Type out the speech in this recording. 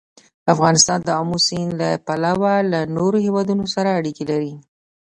افغانستان د آمو سیند له پلوه له نورو هېوادونو سره اړیکې لري.